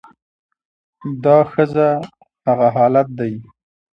دا ښځه هغه حالت دى